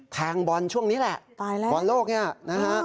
แทงบอลช่วงนี้แหละบอลโลกนี้นะฮะ